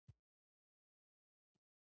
لېونی ملا اعلان وکړ.